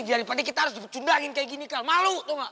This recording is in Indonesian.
padahal kita harus dipercundangin kayak gini malu tuh